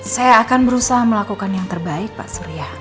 saya akan berusaha melakukan yang terbaik pak surya